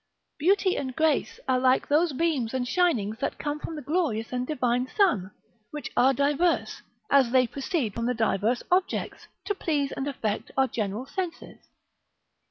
Beauty and grace are like those beams and shinings that come from the glorious and divine sun, which are diverse, as they proceed from the diverse objects, to please and affect our several senses.